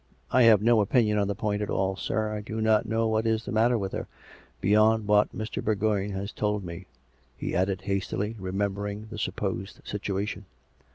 "" I have no opinion on the point at all, sir. I do not know what is the matter with her — beyond what Mr. Bour goign has told me," he added hastily, remembering the supposed situation.